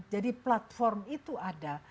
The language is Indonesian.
jadi platform itu ada